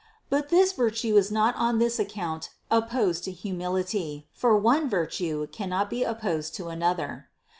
But this virtue is not on this account opposed to humility, for one virtue cannot be opposed to another.